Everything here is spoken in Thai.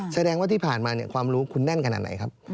แสดงว่าที่ผ่านมาความรู้คุณแน่นขนาดไหนครับ